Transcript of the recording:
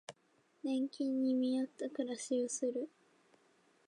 年金に見合った暮らしをする